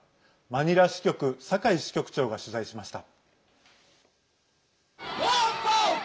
マニラ支局、酒井支局長が取材しました。